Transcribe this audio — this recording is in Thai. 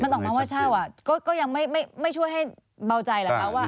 มันออกมาว่าเช่าก็ยังไม่ช่วยให้เบาใจเหรอคะว่า